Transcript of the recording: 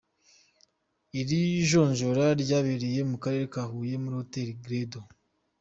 Iri jonjora ryabereye mu karere ka Huye, kuri Hotel Credo.